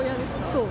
そう。